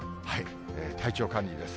体調管理です。